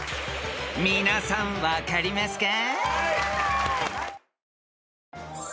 ［皆さん分かりますか？］